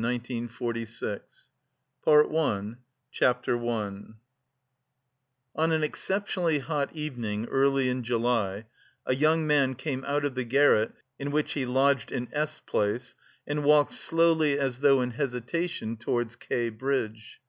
CRIME AND PUNISHMENT PART I CHAPTER I On an exceptionally hot evening early in July a young man came out of the garret in which he lodged in S. Place and walked slowly, as though in hesitation, towards K. bridge.